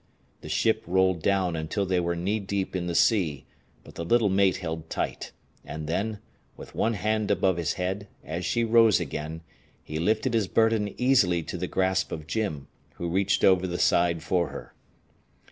The ship rolled down until they were knee deep in the sea, but the little mate held tight, and then, with one hand above his head, as she rose again, he lifted his burden easily to the grasp of Jim, who reached over the side for her.